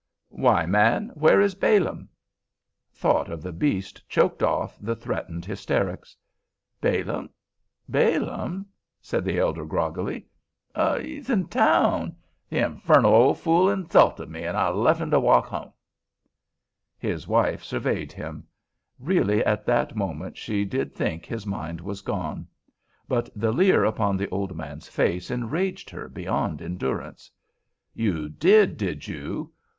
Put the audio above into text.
Why, man, where is Balaam?" Thought of the beast choked off the threatened hysterics. "Balaam? Balaam?" said the elder, groggily. "He's in town. The infernal ole fool 'sulted me, an' I lef' him to walk home." His wife surveyed him. Really at that moment she did think his mind was gone; but the leer upon the old man's face enraged her beyond endurance. "You did, did you?